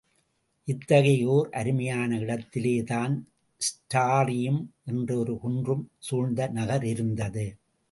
இத்தகைய ஓர் அருமையான இடத்திலேதான் ஸ்டாரியும் என்ற ஒரு குன்றம் சூழ்ந்த நகர் இருந்தது.